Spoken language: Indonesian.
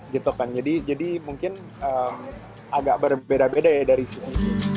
gitu kan jadi mungkin agak berbeda beda ya dari sisi